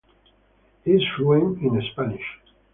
He is fluent in Spanish.